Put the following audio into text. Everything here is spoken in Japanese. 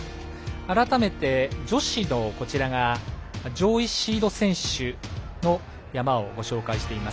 改めて女子の上位シード選手の山をご紹介しています。